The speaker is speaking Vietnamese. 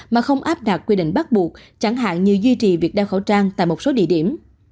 mà không áp đặt quy định bắt buộc chẳng hạn như duy trì việc đeo khẩu trang tại một số địa điểm